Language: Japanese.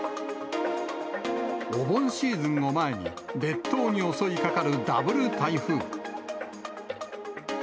お盆シーズンを前に、列島に襲いかかるダブル台風。